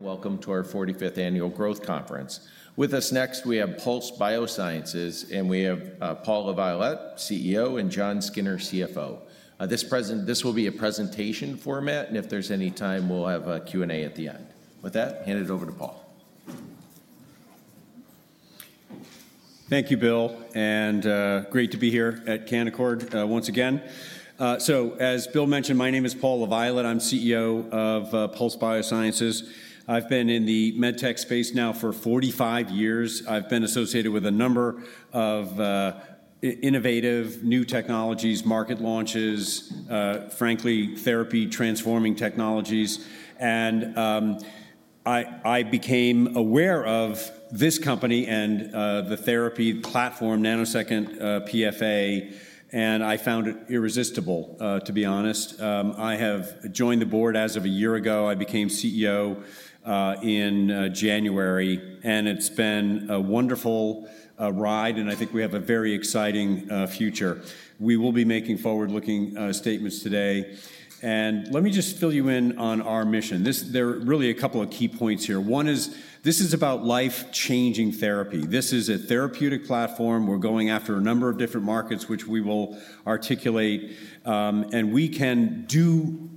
Welcome to our 45th Annual Growth Conference. With us next, we have Pulse Biosciences, and we have Paul LaViolette, CEO, and Jon Skinner, CFO. This will be a presentation format, if there's any time, we'll have a Q&A at the end. With that, hand it over to Paul. Thank you, Bill, and great to be here at Canaccord once again. As Bill mentioned, my name is Paul LaViolette. I'm CEO of Pulse Biosciences. I've been in the medtech space now for 45 years. I've been associated with a number of innovative new technologies, market launches, frankly, therapy transforming technologies. I became aware of this company and the therapy platform, nanosecond PFA, and I found it irresistible, to be honest. I joined the board as of a year ago. I became CEO in January, and it's been a wonderful ride. I think we have a very exciting future. We will be making forward-looking statements today. Let me just fill you in on our mission. There are really a couple of key points here. One is this is about life-changing therapy. This is a therapeutic platform. We're going after a number of different markets, which we will articulate, and we can do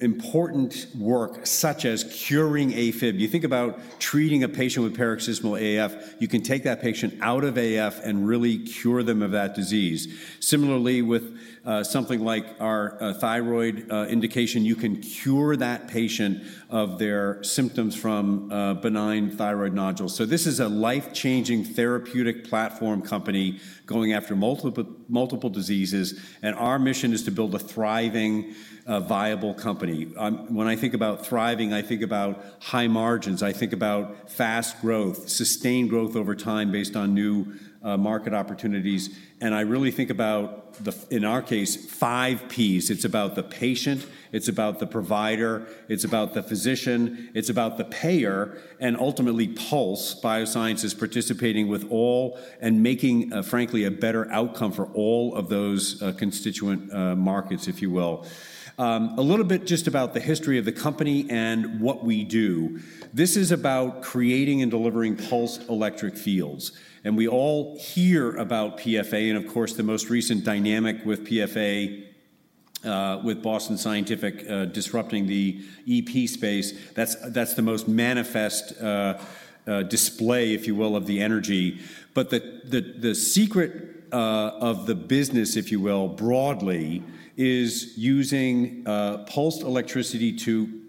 important work such as curing AFib. You think about treating a patient with paroxysmal AF. You can take that patient out of AF and really cure them of that disease. Similarly, with something like our thyroid indication, you can cure that patient of their symptoms from benign thyroid nodules. This is a life-changing therapeutic platform company going after multiple diseases, and our mission is to build a thriving, viable company. When I think about thriving, I think about high margins. I think about fast growth, sustained growth over time based on new market opportunities. I really think about, in our case, five Ps. It's about the patient, it's about the provider, it's about the physician, it's about the payer, and ultimately, Pulse Biosciences participating with all and making, frankly, a better outcome for all of those constituent markets, if you will. A little bit just about the history of the company and what we do. This is about creating and delivering pulse electric fields. We all hear about PFA, and of course, the most recent dynamic with PFA, with Boston Scientific disrupting the EP space, that's the most manifest display, if you will, of the energy. The secret of the business, if you will, broadly, is using pulse electricity to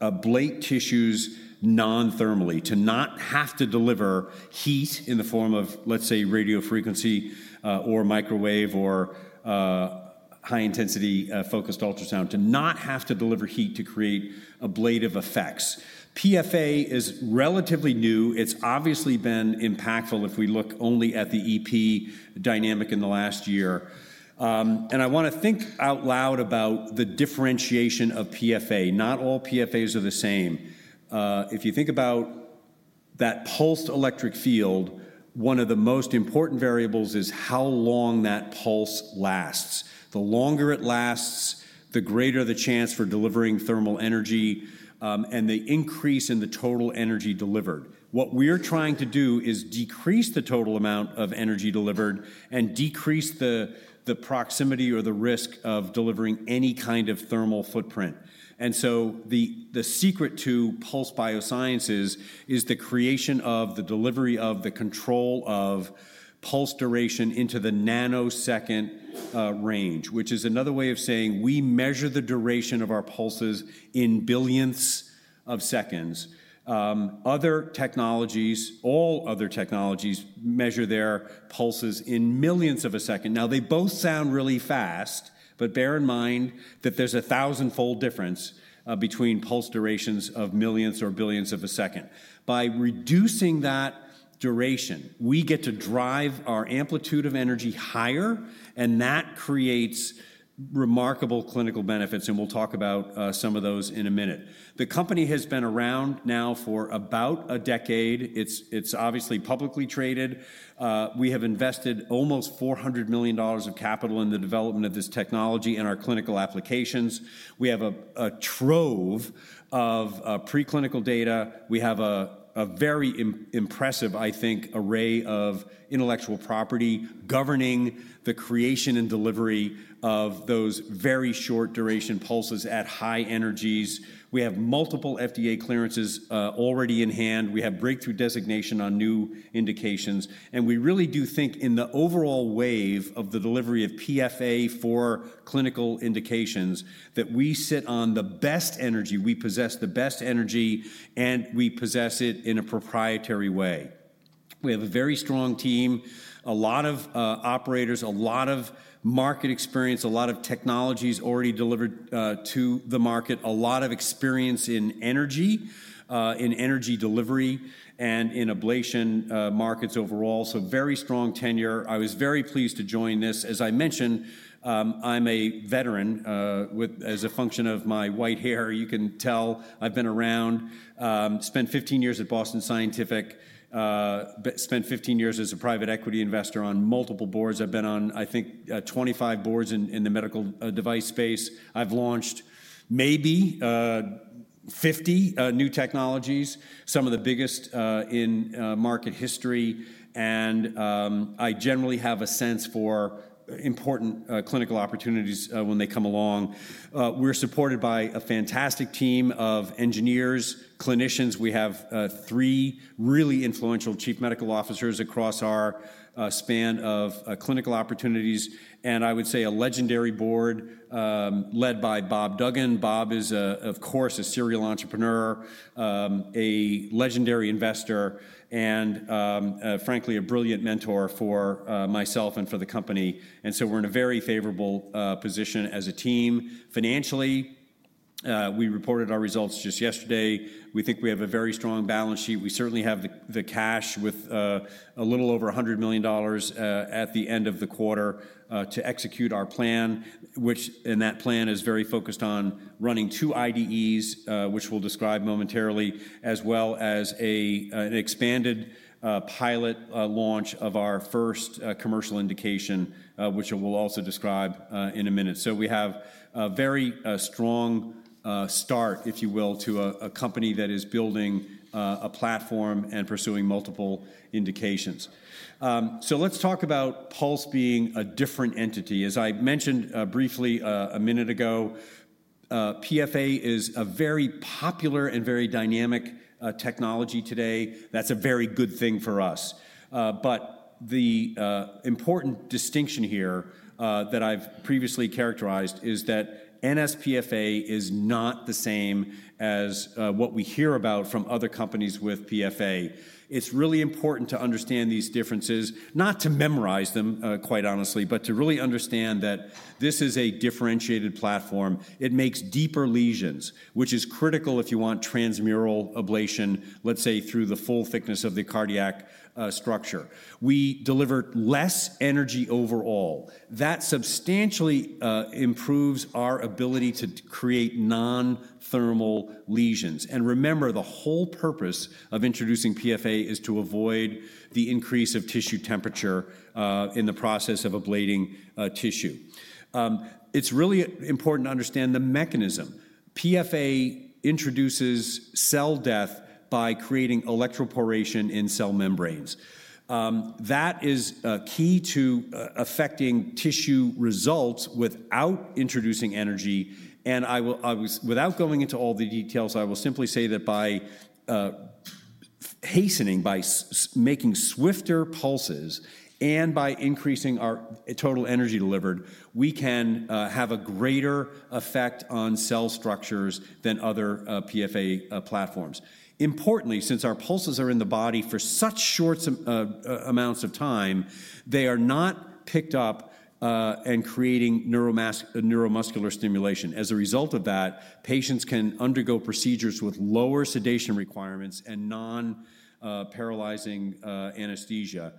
ablate tissues non-thermally, to not have to deliver heat in the form of, let's say, radiofrequency or microwave or high-intensity focused ultrasound, to not have to deliver heat to create ablative effects. PFA is relatively new. It's obviously been impactful if we look only at the EP dynamic in the last year. I want to think out loud about the differentiation of PFA. Not all PFAs are the same. If you think about that pulsed electric field, one of the most important variables is how long that pulse lasts. The longer it lasts, the greater the chance for delivering thermal energy and the increase in the total energy delivered. What we're trying to do is decrease the total amount of energy delivered and decrease the proximity or the risk of delivering any kind of thermal footprint. The secret to Pulse Biosciences is the creation of the delivery of the control of pulse duration into the nanosecond range, which is another way of saying we measure the duration of our pulses in billions of seconds. All other technologies measure their pulses in millions of a second. Now, they both sound really fast, but bear in mind that there's a thousand-fold difference between pulse durations of millions or billions of a second. By reducing that duration, we get to drive our amplitude of energy higher, and that creates remarkable clinical benefits. We'll talk about some of those in a minute. The company has been around now for about a decade. It's obviously publicly traded. We have invested almost $400 million of capital in the development of this technology and our clinical applications. We have a trove of preclinical data. We have a very impressive, I think, array of intellectual property governing the creation and delivery of those very short duration pulses at high energies. We have multiple FDA clearances already in hand. We have breakthrough designation on new indications. We really do think in the overall wave of the delivery of PFA for clinical indications that we sit on the best energy. We possess the best energy, and we possess it in a proprietary way. We have a very strong team, a lot of operators, a lot of market experience, a lot of technologies already delivered to the market, a lot of experience in energy, in energy delivery, and in ablation markets overall. Very strong tenure. I was very pleased to join this. As I mentioned, I'm a veteran as a function of my white hair. You can tell I've been around, spent 15 years at Boston Scientific, spent 15 years as a private equity investor on multiple boards. I've been on, I think, 25 boards in the medical device space. I've launched maybe 50 new technologies, some of the biggest in market history. I generally have a sense for important clinical opportunities when they come along. We're supported by a fantastic team of engineers and clinicians. We have three really influential Chief Medical Officers across our span of clinical opportunities, and I would say a legendary board led by Bob Duggan. Bob is, of course, a serial entrepreneur, a legendary investor, and frankly, a brilliant mentor for myself and for the company. We're in a very favorable position as a team. Financially, we reported our results just yesterday. We think we have a very strong balance sheet. We certainly have the cash with a little over $100 million at the end of the quarter to execute our plan, which in that plan is very focused on running two IDEs, which we'll describe momentarily, as well as an expanded pilot launch of our first commercial indication, which we'll also describe in a minute. We have a very strong start, if you will, to a company that is building a platform and pursuing multiple indications. Let's talk about Pulse being a different entity. As I mentioned briefly a minute ago, PFA is a very popular and very dynamic technology today. That's a very good thing for us. The important distinction here that I've previously characterized is that nsPFA is not the same as what we hear about from other companies with PFA. It's really important to understand these differences, not to memorize them, quite honestly, but to really understand that this is a differentiated platform. It makes deeper lesions, which is critical if you want transmural ablation, let's say, through the full thickness of the cardiac structure. We deliver less energy overall. That substantially improves our ability to create non-thermal lesions. Remember, the whole purpose of introducing PFA is to avoid the increase of tissue temperature in the process of ablating tissue. It's really important to understand the mechanism. PFA introduces cell death by creating electroporation in cell membranes. That is key to affecting tissue results without introducing energy. Without going into all the details, I will simply say that by hastening, by making swifter pulses, and by increasing our total energy delivered, we can have a greater effect on cell structures than other PFA platforms. Importantly, since our pulses are in the body for such short amounts of time, they are not picked up and creating neuromuscular stimulation. As a result of that, patients can undergo procedures with lower sedation requirements and non-paralyzing anesthesia,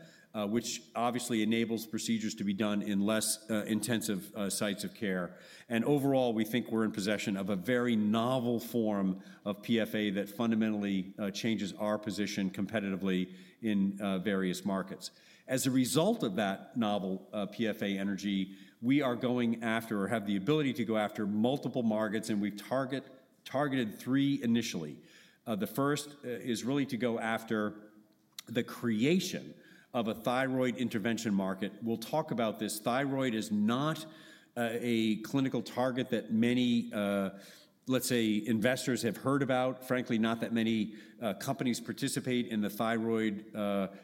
which obviously enables procedures to be done in less intensive sites of care. Overall, we think we're in possession of a very novel form of PFA that fundamentally changes our position competitively in various markets. As a result of that novel PFA energy, we are going after, or have the ability to go after, multiple markets, and we've targeted three initially. The first is really to go after the creation of a thyroid intervention market. We'll talk about this. Thyroid is not a clinical target that many, let's say, investors have heard about. Frankly, not that many companies participate in the thyroid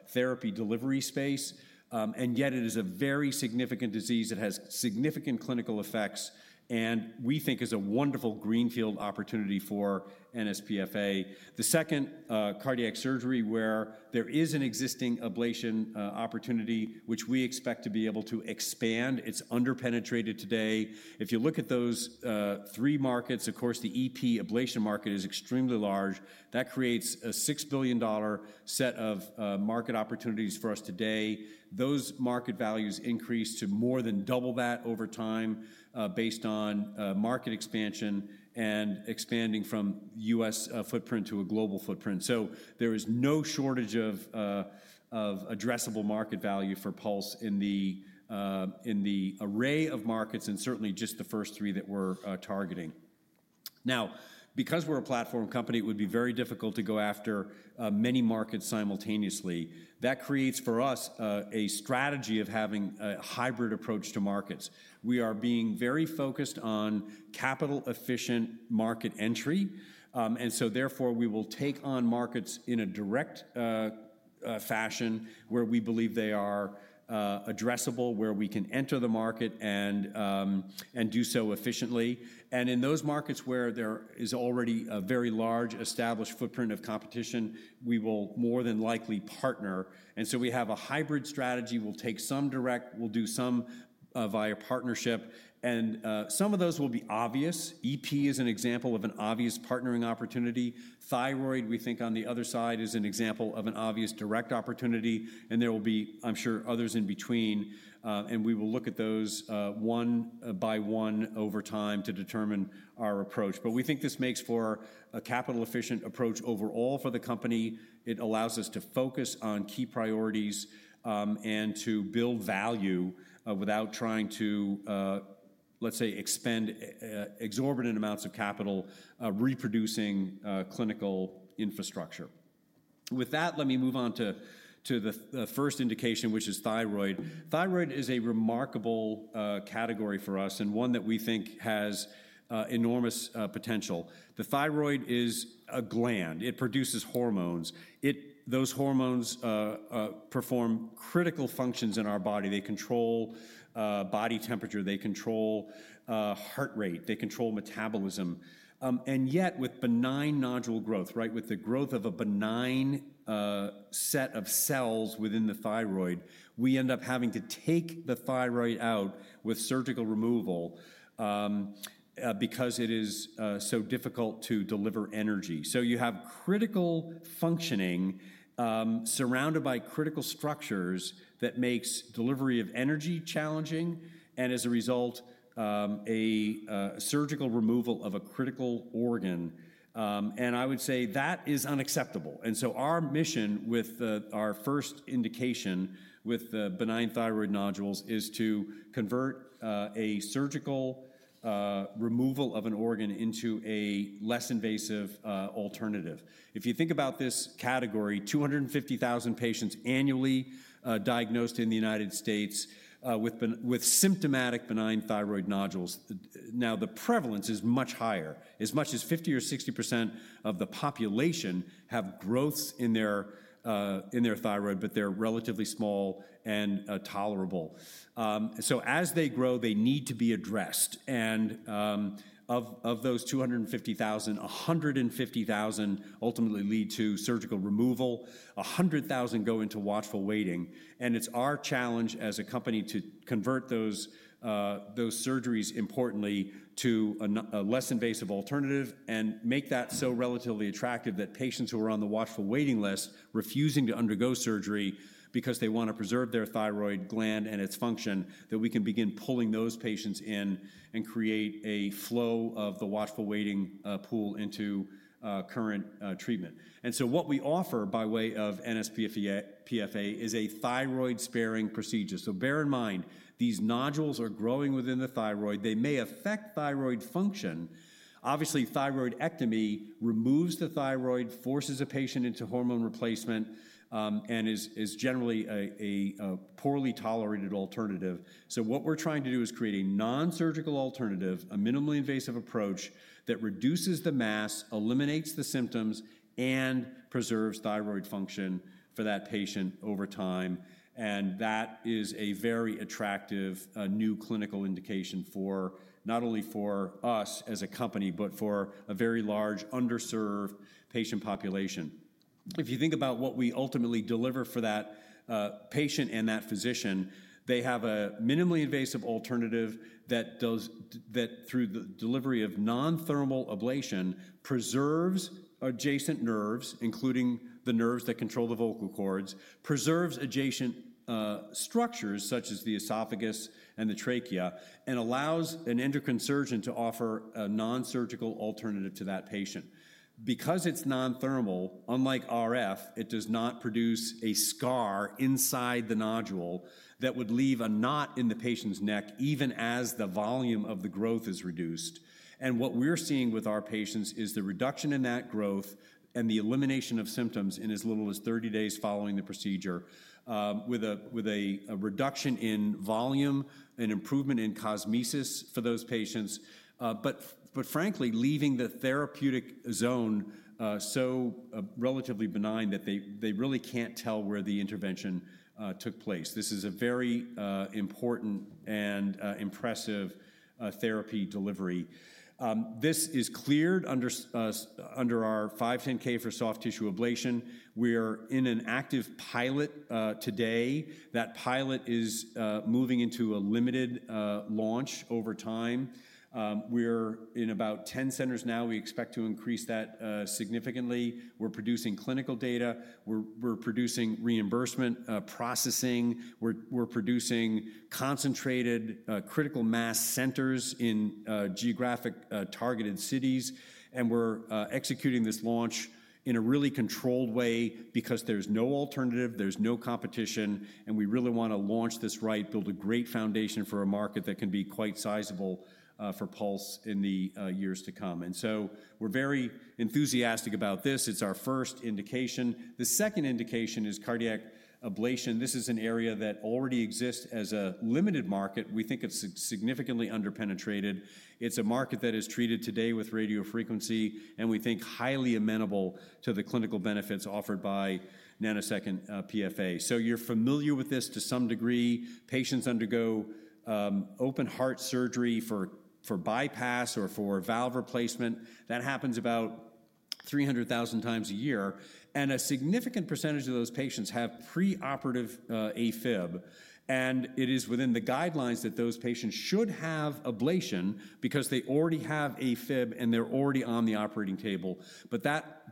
therapy delivery space. Yet, it is a very significant disease. It has significant clinical effects, and we think it's a wonderful greenfield opportunity for nsPFA. The second, cardiac surgery, where there is an existing ablation opportunity, which we expect to be able to expand. It's underpenetrated today. If you look at those three markets, of course, the EP ablation market is extremely large. That creates a $6 billion set of market opportunities for us today. Those market values increase to more than double that over time based on market expansion and expanding from the U.S. footprint to a global footprint. There is no shortage of addressable market value for Pulse in the array of markets and certainly just the first three that we're targeting. Now, because we're a platform company, it would be very difficult to go after many markets simultaneously. That creates for us a strategy of having a hybrid approach to markets. We are being very focused on capital-efficient market entry. Therefore, we will take on markets in a direct fashion where we believe they are addressable, where we can enter the market and do so efficiently. In those markets where there is already a very large established footprint of competition, we will more than likely partner. We have a hybrid strategy. We'll take some direct, we'll do some via partnership. Some of those will be obvious. EP is an example of an obvious partnering opportunity. Thyroid, we think on the other side, is an example of an obvious direct opportunity. There will be, I'm sure, others in between. We will look at those one-by-one over time to determine our approach. We think this makes for a capital-efficient approach overall for the company. It allows us to focus on key priorities and to build value without trying to, let's say, expend exorbitant amounts of capital reproducing clinical infrastructure. With that, let me move on to the first indication, which is thyroid. Thyroid is a remarkable category for us and one that we think has enormous potential. The thyroid is a gland. It produces hormones. Those hormones perform critical functions in our body. They control body temperature, they control heart rate, they control metabolism. With benign nodule growth, with the growth of a benign set of cells within the thyroid, we end up having to take the thyroid out with surgical removal because it is so difficult to deliver energy. You have critical functioning surrounded by critical structures that make delivery of energy challenging. As a result, a surgical removal of a critical organ. I would say that is unacceptable. Our mission with our first indication with the benign thyroid nodules is to convert a surgical removal of an organ into a less invasive alternative. If you think about this category, 250,000 patients annually diagnosed in the United States with symptomatic benign thyroid nodules. The prevalence is much higher. As much as 50% or 60% of the population have growths in their thyroid, but they're relatively small and tolerable. As they grow, they need to be addressed. Of those 250,000, 150,000 ultimately lead to surgical removal, 100,000 go into watchful waiting. It's our challenge as a company to convert those surgeries importantly to a less invasive alternative and make that so relatively attractive that patients who are on the watchful waiting list refusing to undergo surgery because they want to preserve their thyroid gland and its function, that we can begin pulling those patients in and create a flow of the watchful waiting pool into current treatment. What we offer by way of nsPFA is a thyroid-sparing procedure. Bear in mind, these nodules are growing within the thyroid. They may affect thyroid function. Obviously, thyroidectomy removes the thyroid, forces a patient into hormone replacement, and is generally a poorly tolerated alternative. What we're trying to do is create a non-surgical alternative, a minimally invasive approach that reduces the mass, eliminates the symptoms, and preserves thyroid function for that patient over time. That is a very attractive new clinical indication for not only us as a company, but for a very large underserved patient population. If you think about what we ultimately deliver for that patient and that physician, they have a minimally invasive alternative that, through the delivery of non-thermal ablation, preserves adjacent nerves, including the nerves that control the vocal cords, preserves adjacent structures such as the esophagus and the trachea, and allows an endocrine surgeon to offer a non-surgical alternative to that patient. Because it's non-thermal, unlike RF, it does not produce a scar inside the nodule that would leave a knot in the patient's neck, even as the volume of the growth is reduced. What we're seeing with our patients is the reduction in that growth and the elimination of symptoms in as little as 30 days following the procedure, with a reduction in volume and improvement in cosmesis for those patients, but frankly, leaving the therapeutic zone so relatively benign that they really can't tell where the intervention took place. This is a very important and impressive therapy delivery. This is cleared under our 510(k) for soft tissue ablation. We are in an active pilot today. That pilot is moving into a limited launch over time. We're in about 10 centers now. We expect to increase that significantly. We're producing clinical data. We're producing reimbursement processing. We're producing concentrated critical mass centers in geographic targeted cities. We're executing this launch in a really controlled way because there's no alternative, there's no competition, and we really want to launch this right, build a great foundation for a market that can be quite sizable for Pulse in the years to come. We are very enthusiastic about this. It's our first indication. The second indication is cardiac ablation. This is an area that already exists as a limited market. We think it's significantly underpenetrated. It's a market that is treated today with radiofrequency, and we think highly amenable to the clinical benefits offered by nanosecond PFA. You're familiar with this to some degree. Patients undergo open heart surgery for bypass or for valve replacement. That happens about 300,000x a year. A significant percentage of those patients have preoperative AFib. It is within the guidelines that those patients should have ablation because they already have AFib and they're already on the operating table.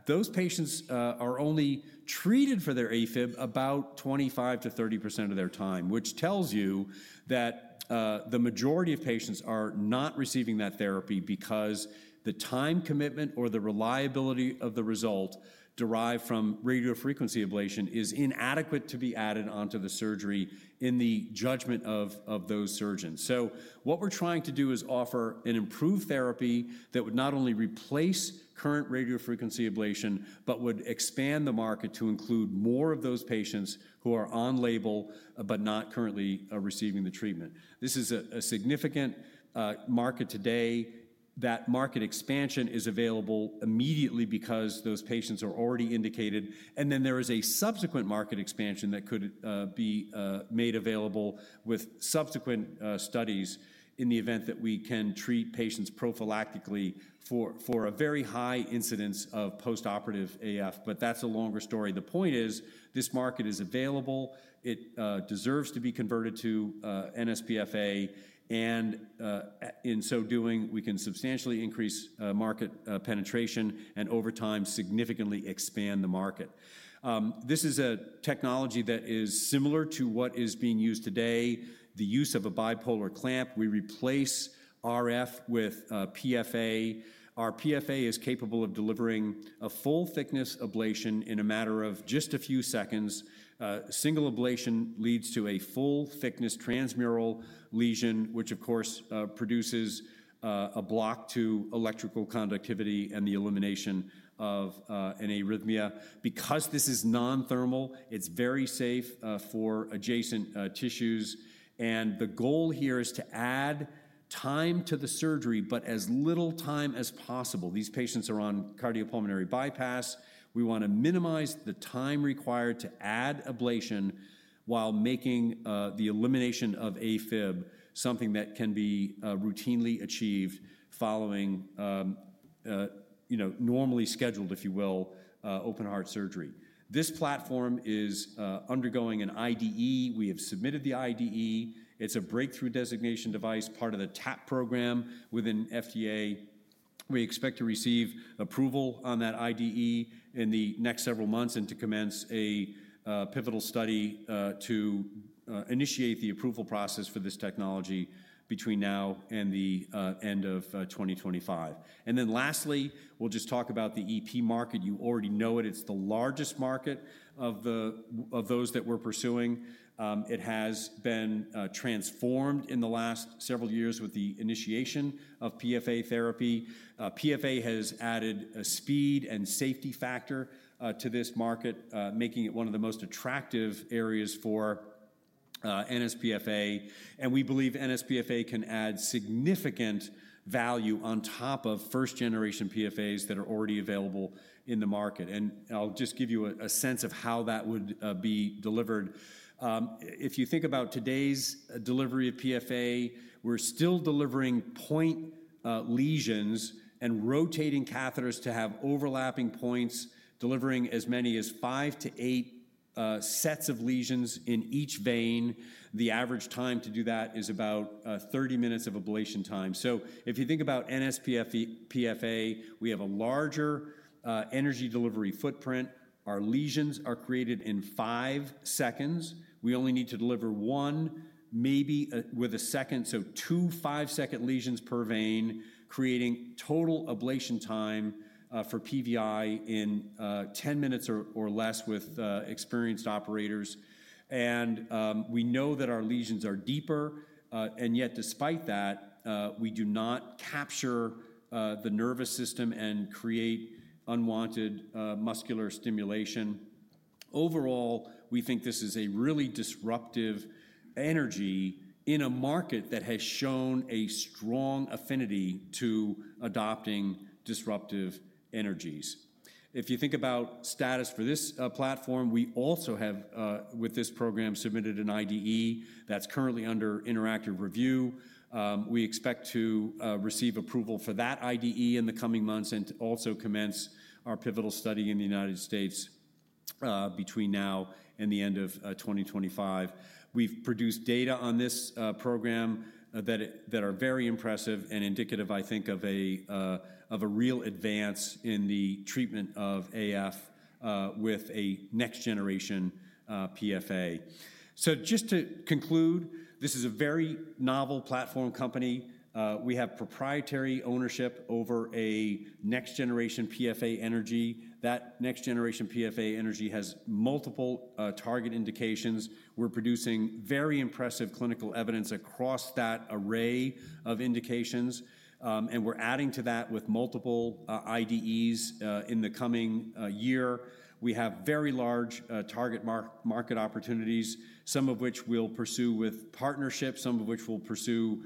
Those patients are only treated for their AFib about 25%-30% of the time, which tells you that the majority of patients are not receiving that therapy because the time commitment or the reliability of the result derived from radiofrequency ablation is inadequate to be added onto the surgery in the judgment of those surgeons. What we're trying to do is offer an improved therapy that would not only replace current radiofrequency ablation, but would expand the market to include more of those patients who are on label, but not currently receiving the treatment. This is a significant market today. That market expansion is available immediately because those patients are already indicated. There is a subsequent market expansion that could be made available with subsequent studies in the event that we can treat patients prophylactically for a very high incidence of postoperative AF. That's a longer story. The point is this market is available. It deserves to be converted to nsPFA. In so doing, we can substantially increase market penetration and over time significantly expand the market. This is a technology that is similar to what is being used today, the use of a bipolar clamp. We replace RF with PFA. Our PFA is capable of delivering a full thickness ablation in a matter of just a few seconds. A single ablation leads to a full thickness transmural lesion, which of course produces a block to electrical conductivity and the elimination of an arrhythmia. Because this is non-thermal, it's very safe for adjacent tissues. The goal here is to add time to the surgery, but as little time as possible. These patients are on cardiopulmonary bypass. We want to minimize the time required to add ablation while making the elimination of AFib something that can be routinely achieved following normally scheduled, if you will, open heart surgery. This platform is undergoing an IDE. We have submitted the IDE. It's a breakthrough device designation, part of the TAP program within FDA. We expect to receive approval on that IDE in the next several months and to commence a pivotal study to initiate the approval process for this technology between now and the end of 2025. Lastly, we'll just talk about the EP market. You already know it. It's the largest market of those that we're pursuing. It has been transformed in the last several years with the initiation of PFA therapy. PFA has added a speed and safety factor to this market, making it one of the most attractive areas for nsPFA. We believe nsPFA can add significant value on top of first-generation PFAs that are already available in the market. I'll just give you a sense of how that would be delivered. If you think about today's delivery of PFA, we're still delivering point lesions and rotating catheters to have overlapping points, delivering as many as five to eight sets of lesions in each vein. The average time to do that is about 30 minutes of ablation time. If you think about nsPFA, we have a larger energy delivery footprint. Our lesions are created in five seconds. We only need to deliver one, maybe with a second. Two five-second lesions per vein, creating total ablation time for PVI in 10 minutes or less with experienced operators. We know that our lesions are deeper. Yet, despite that, we do not capture the nervous system and create unwanted muscular stimulation. Overall, we think this is a really disruptive energy in a market that has shown a strong affinity to adopting disruptive energies. If you think about status for this platform, we also have, with this program, submitted an IDE that's currently under interactive review. We expect to receive approval for that IDE in the coming months and to also commence our pivotal study in the United States between now and the end of 2025. We've produced data on this program that are very impressive and indicative, I think, of a real advance in the treatment of AF with a next-generation PFA. Just to conclude, this is a very novel platform company. We have proprietary ownership over a next-generation PFA energy. That next-generation PFA energy has multiple target indications. We're producing very impressive clinical evidence across that array of indications. We're adding to that with multiple IDEs in the coming year. We have very large target market opportunities, some of which we'll pursue with partnerships, some of which we'll pursue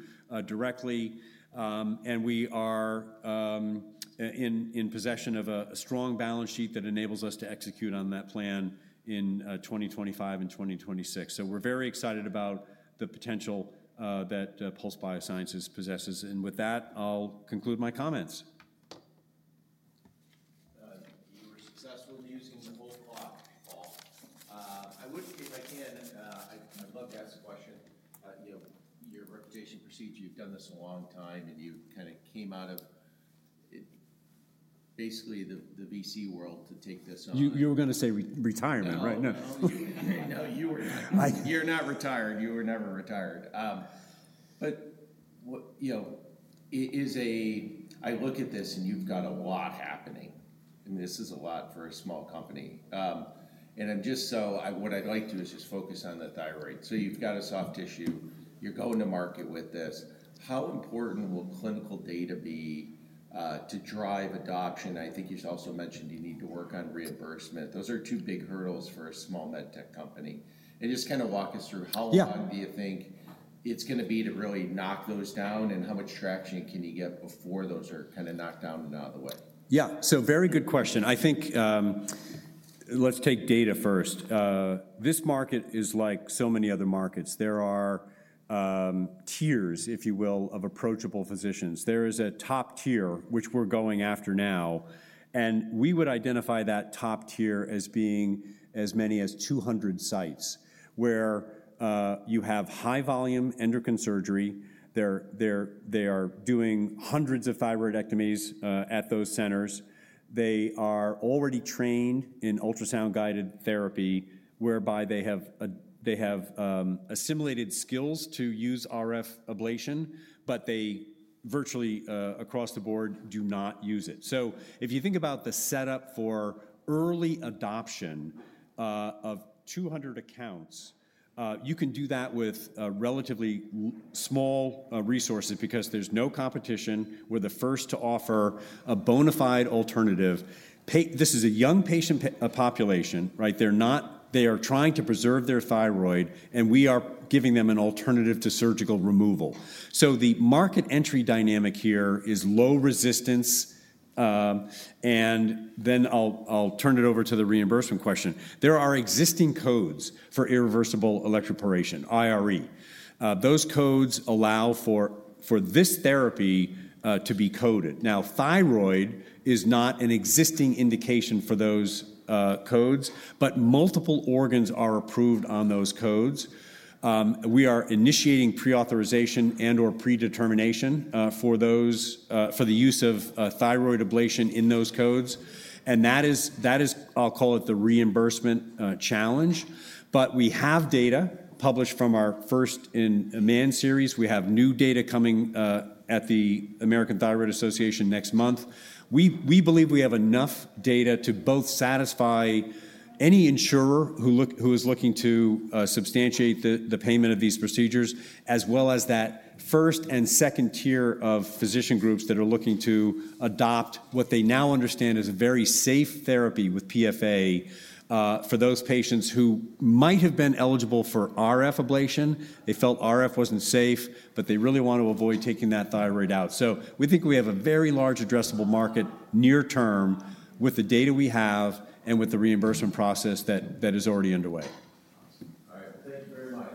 directly. We are in possession of a strong balance sheet that enables us to execute on that plan in 2025 and 2026. We're very excited about the potential that Pulse Biosciences possesses. With that, I'll conclude my comments. I would love to ask a question. You know, your reputation procedure, you've done this a long time, and you kind of came out of basically the VC world to take this on. You were going to say retirement, right? No, you were not retired. You were never retired. You know, I look at this and you've got a lot happening. I mean, this is a lot for a small company. I'm just so, what I'd like to do is just focus on the thyroid. You've got a soft tissue. You're going to market with this. How important will clinical data be to drive adoption? I think you also mentioned you need to work on reimbursement. Those are two big hurdles for a small med tech company. Just kind of walk us through how fun do you think it's going to be to really knock those down and how much traction can you get before those are kind of knocked down and out of the way? Yeah, so very good question. I think let's take data first. This market is like so many other markets. There are tiers, if you will, of approachable physicians. There is a top tier, which we're going after now. We would identify that top tier as being as many as 200 sites where you have high-volume endocrine surgery. They are doing hundreds of thyroidectomies at those centers. They are already trained in ultrasound-guided therapy, whereby they have assimilated skills to use RF ablation, but they virtually across the board do not use it. If you think about the setup for early adoption of 200 accounts, you can do that with relatively small resources because there's no competition. We're the first to offer a bona fide alternative. This is a young patient population. They are trying to preserve their thyroid, and we are giving them an alternative to surgical removal. The market entry dynamic here is low resistance. I'll turn it over to the reimbursement question. There are existing codes for irreversible electroporation, IRE. Those codes allow for this therapy to be coded. Thyroid is not an existing indication for those codes, but multiple organs are approved on those codes. We are initiating pre-authorization and/or predetermination for the use of thyroid ablation in those codes. That is, I'll call it the reimbursement challenge. We have data published from our first in a man series. We have new data coming at the American Thyroid Association next month. We believe we have enough data to both satisfy any insurer who is looking to substantiate the payment of these procedures, as well as that first and second tier of physician groups that are looking to adopt what they now understand is a very safe therapy with PFA for those patients who might have been eligible for RF ablation. They felt RF wasn't safe, but they really want to avoid taking that thyroid out. We think we have a very large addressable market near term with the data we have and with the reimbursement process that is already underway.